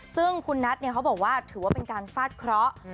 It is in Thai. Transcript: ซึ่งคุณนัทเขาบอกว่าถือว่าเป็นการฟาดเคราะห์